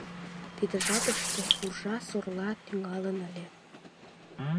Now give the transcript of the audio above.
Тиде жапыште уржа-сорла тӱҥалын ыле.